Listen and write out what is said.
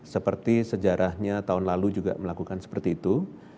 seperti sejarahnya tahun lalu juga melakukan seperti itu